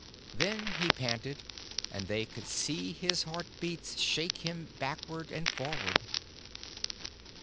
Then he panted, and they could see his heart beats shake him backward and forward.